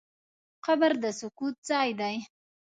قبر د سکوت ځای دی.